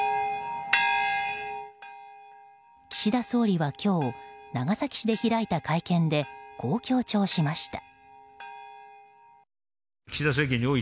岸田総理は今日長崎市で開いた会見でこう強調しました。